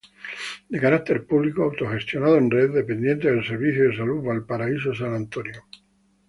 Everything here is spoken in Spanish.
De carácter público, autogestionado en red, dependiente del Servicio de Salud Valparaíso- San Antonio.